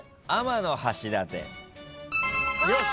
よし。